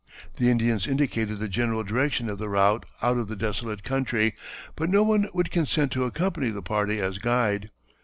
The Indians indicated the general direction of the route out of the desolate country, but no one would consent to accompany the party as guide.